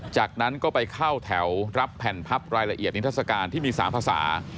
จากนั้นก็ไปเข้าแถวรับแผ่นพับรายละเอียดนิทัศกาลที่มี๓ภาษา